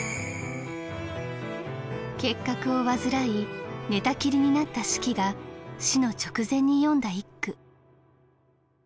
結核を患い寝たきりになった子規が死の直前に詠んだ一句。